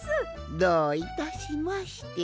どういたしまして。